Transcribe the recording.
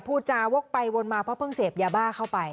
พูดจาวกไปวนมาเพราะเพิ่งเสพยาบ้าเข้าไป